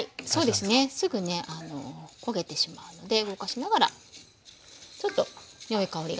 そうですねすぐね焦げてしまうので動かしながらちょっとよい香りが。